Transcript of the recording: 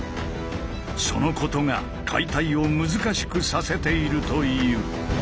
そのことが解体を難しくさせているという。